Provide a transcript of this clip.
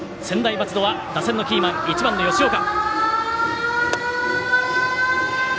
松戸は打線のキーマン１番の吉岡。